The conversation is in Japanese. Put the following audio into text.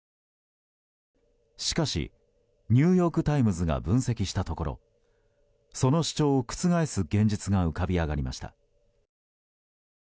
しかしニューヨーク・タイムズが分析したところその主張を覆す現実が浮かび上がりました。